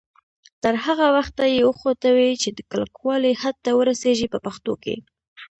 تر هغه وخته یې وخوټوئ چې د کلکوالي حد ته ورسیږي په پښتو کې.